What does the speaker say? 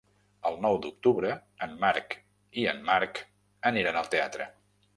El nou d'octubre en Marc i en Marc aniran al teatre.